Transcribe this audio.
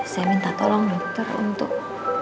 saya minta tolong dokter untuk